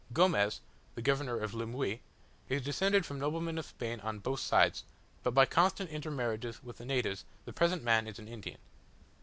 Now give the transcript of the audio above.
Gomez, the governor of Lemuy, is descended from noblemen of Spain on both sides; but by constant intermarriages with the natives the present man is an Indian.